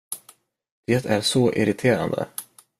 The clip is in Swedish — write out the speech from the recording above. Det är så irriterande.